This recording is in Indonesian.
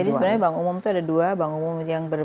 jadi sebenarnya bank umum itu ada dua